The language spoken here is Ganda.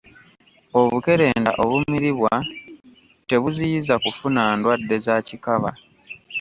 Obukerenda obumiribwa tebuziyiza kufuna ndwadde za kikaba.